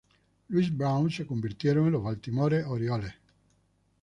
Louis Browns se convirtieron en los Baltimore Orioles.